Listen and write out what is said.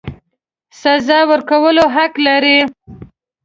سزا ورکولو حق لري.